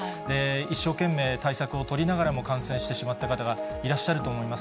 一生懸命対策を取りながらも感染してしまった方がいらっしゃると思います。